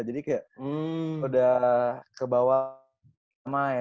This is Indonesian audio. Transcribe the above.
jadi kayak udah kebawah